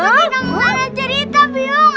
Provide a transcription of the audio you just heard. aku tidak mau ngarang cerita biung